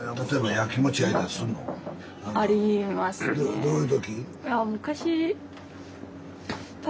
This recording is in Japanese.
どういう時？